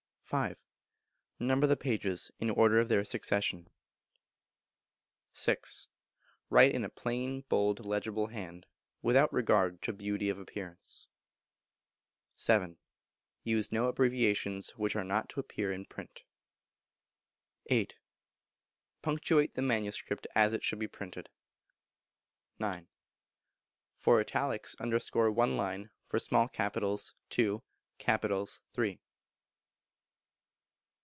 v. Number the pages; in the order of their succession. vi. Write in a plain, bold, legible hand, without regard to beauty of appearance. vii. Use no abbreviations which are not to appear in print. viii. Punctuate the manuscript as it should be printed. ix. For italics underscore one line; for small capitals, two; capitals, three.